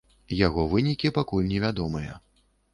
Яго вынікі пакуль невядомыя.